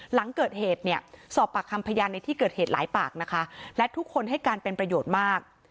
หลังเกิดเหตุเนี่ยสอบปากคำพยานในที่เกิดเหตุหลายปากนะคะและทุกคนให้การเป็นประโยชน์มาก